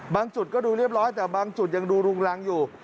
จุดก็ดูเรียบร้อยแต่บางจุดยังดูรุงรังอยู่